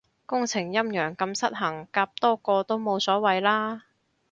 工程陰陽咁失衡，夾多個都冇所謂啦